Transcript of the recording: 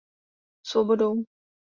Svobodou.